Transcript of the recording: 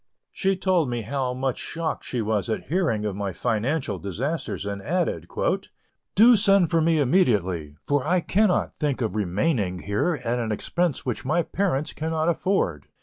She told me how much shocked she was at hearing of my financial disasters, and added: "Do send for me immediately, for I cannot think of remaining here at an expense which my parents cannot afford.